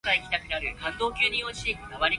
今次真係中晒伏，瀨晒撻